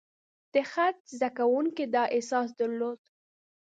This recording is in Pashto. د خط زده کوونکي دا احساس درلود.